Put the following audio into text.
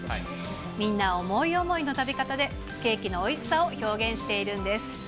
みんな思い思いの食べ方で、ケーキのおいしさを表現しているんです。